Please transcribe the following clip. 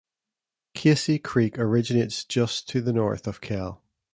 Casey Creek originates just to the north of Kell.